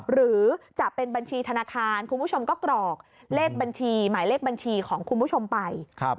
หรือจะเป็นบัญชีธนาคารคุณผู้ชมก็กรอกเลขบัญชีหมายเลขบัญชีของคุณผู้ชมไป